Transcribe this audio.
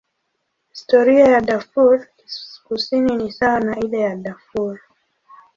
Historia ya Darfur Kusini ni sawa na ile ya Darfur.